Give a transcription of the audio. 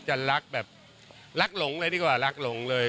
จะรักแบบรักหลงเลยดีกว่ารักหลงเลย